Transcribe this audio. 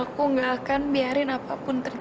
aku padajug keduanya udah shouldering